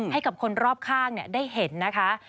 ให้กับคนรอบข้างได้เห็นนะคะ